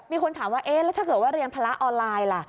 มีคนถามว่าถ้าเกิดว่าเรียนภาระออนไลน์ล่ะ